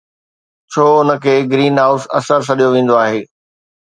ڇو ان کي گرين هائوس اثر سڏيو ويندو آهي؟